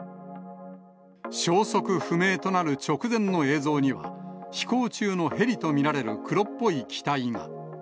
消息不明となる直前の映像には、飛行中のヘリと見られる黒っぽい機体が。